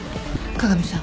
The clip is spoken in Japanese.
加賀美さん。